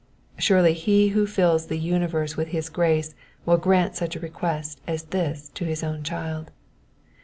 Surely he who fills the universe with his grace will grant such a request as this to his own child.